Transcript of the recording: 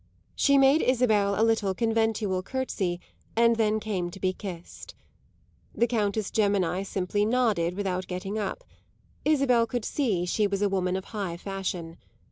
She made Isabel a little conventual curtsey and then came to be kissed. The Countess Gemini simply nodded without getting up: Isabel could see she was a woman of high fashion.